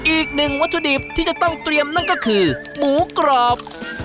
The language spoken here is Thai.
อีกหนึ่งวัตถุดิบที่จะต้องเตรียมนั่นก็คือหมูกรอบ